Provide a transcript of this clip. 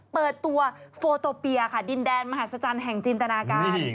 เปิดตัวโฟโตเปียค่ะดินแดนมหาศจรรย์แห่งจินตนาการ